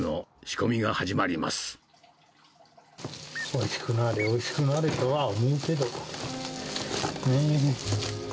おいしくなぁれ、おいしくなぁれとは思うけど。ねぇ。